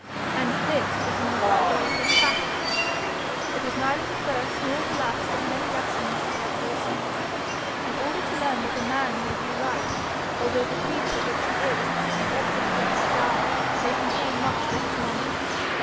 And this was one of the idolatrous catholics! It was neither the first nor the last of many lessons she had to receive, in order to learn that a man may be right although the creed for which he is and ought to be ready to die, may contain much that is wrong.